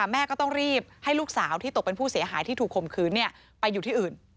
แม่ก็ต้องรีบให้ลูกสาวที่ตกเป็นผู้เสียหายที่ถูกข่มขืนไปอยู่ที่อื่น